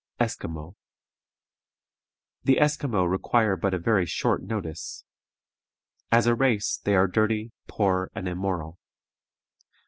ESQUIMAUX. The Esquimaux require but a very short notice. As a race, they are dirty, poor, and immoral.